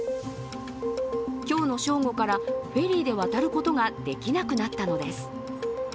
今日の正午からフェリーで渡ることができなくなったのです。